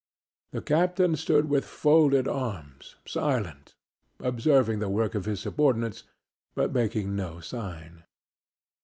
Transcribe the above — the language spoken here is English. The captain stood with folded arms, silent, observing the work of his subordinates, but making no sign.